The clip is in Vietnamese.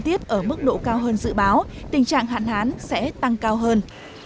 tiếp ở mức độ cao hơn dự báo tình trạng hạn hán sẽ tăng cao hơn